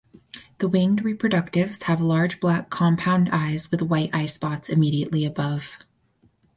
The winged reproductives have large black compound eyes with white eyespots immediately above.